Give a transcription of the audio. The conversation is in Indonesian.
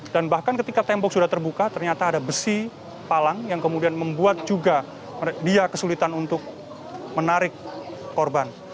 dan bahkan ketika tembok sudah terbuka ternyata ada besi palang yang kemudian membuat juga dia kesulitan untuk menarik korban